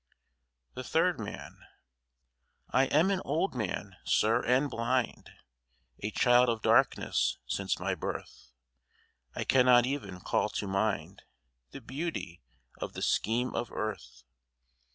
THE THIRD MAN I am an old man, Sir, and blind, A child of darkness since my birth. I cannot even call to mind The beauty of the scheme of earth.